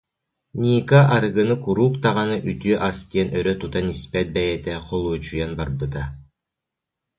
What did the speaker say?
Ника арыгыны куруук даҕаны үтүө ас диэн өрө тутан испэт бэйэтэ холуочуйан барбыта